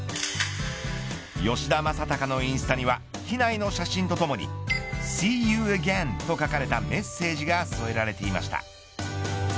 吉田正尚のインスタには機内の写真とともにシーユーアゲインと書かれたメッセージが添えられていました。